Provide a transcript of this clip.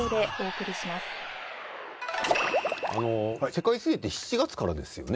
世界水泳って７月からですよね？